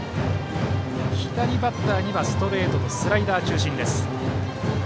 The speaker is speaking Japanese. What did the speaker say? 左バッターにはストレートとスライダー中心です。